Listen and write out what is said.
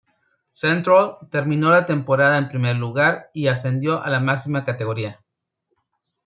Central terminó la temporada en primer lugar y ascendió a la máxima categoría.